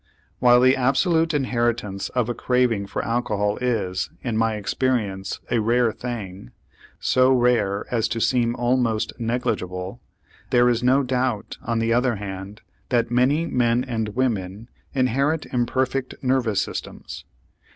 While the absolute inheritance of a craving for alcohol is, in my experience, a rare thing so rare as to seem almost negligible, there is no doubt, on the other hand, that many men and women inherit imperfect nervous systems.